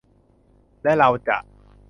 และเราจะ